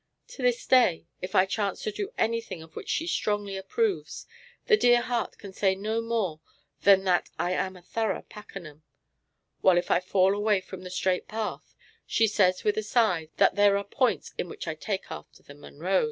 To this day if I chance to do anything of which she strongly approves, the dear heart can say no more than that I am a thorough Packenham; while if I fall away from the straight path, she says with a sigh that there are points in which I take after the Munros.